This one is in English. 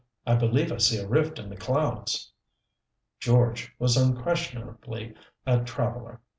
"I believe I see a rift in the clouds." "George" was unquestionably a traveler.